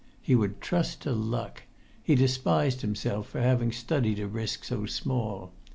He would trust to luck; he despised himself for having studied a risk so small.